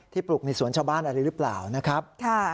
ปลูกในสวนชาวบ้านอะไรหรือเปล่านะครับ